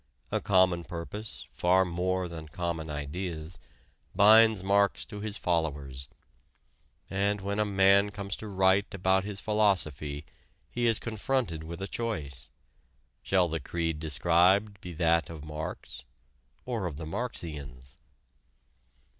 A common purpose, far more than common ideas, binds Marx to his followers. And when a man comes to write about his philosophy he is confronted with a choice: shall the creed described be that of Marx or of the Marxians?